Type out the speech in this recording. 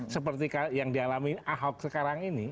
seperti yang dialami ahok sekarang ini